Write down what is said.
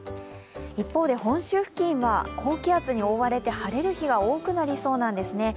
一方で本州付近は高気圧に覆われて晴れる日が多くなりそうなんですね。